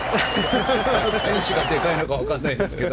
選手がでかいのか分からないですけど。